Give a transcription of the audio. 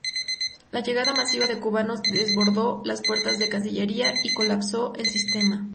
La llegada masiva de cubanos, desbordó las puertas de Cancillería y colapsó el sistema.